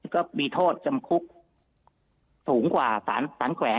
ก็มีโทษจำคุกสูงกว่าสารแขวง